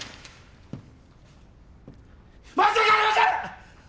申し訳ありません！